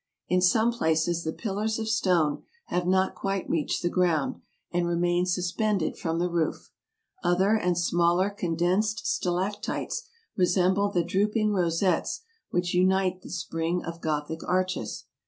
In some places the pillars of stone have not quite reached the ground, and remain suspended from the roof. Other and smaller condensed stalactites resembled the drooping rosettes which unite the spring of Gothic arches.